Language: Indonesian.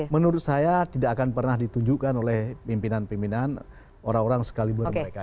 menurut saya tidak akan pernah ditunjukkan oleh pimpinan pimpinan orang orang sekali buat mereka